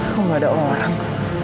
kok gak ada orang